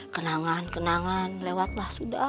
kenangan kenangan lewatlah sudah